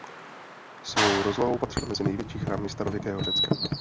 Svou rozlohou patřil mezi největší chrámy starověkého Řecka.